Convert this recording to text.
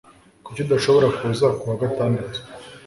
Kuki udashobora kuza kuwa gatandatu